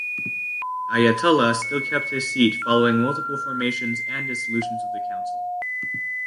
Ayatullah still kept his seat following multiple formations and dissolutions of the council.